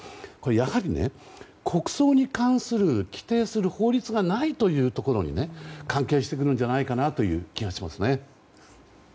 やはり、国葬に関する規定する法律がないというところに関係してくるんじゃないかなという気がしますね。